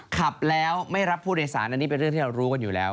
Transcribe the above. ขับแล้วไม่รับผู้โดยสารอันนี้เป็นเรื่องที่เรารู้กันอยู่แล้ว